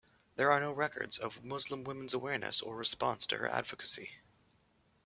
There are no records of Muslim women's awareness or response to her advocacy.